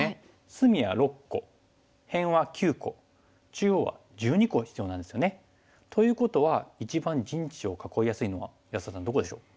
隅は６個辺は９個中央は１２個必要なんですよね。ということは一番陣地を囲いやすいのは安田さんどこでしょう？